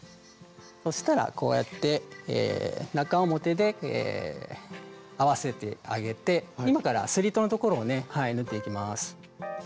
そしたらこうやって中表で合わせてあげて今からスリットのところをね縫っていきます。